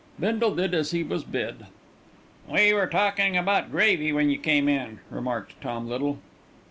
Bindle did as he was bid. "We were talking about Gravy when you came in," remarked Tom Little.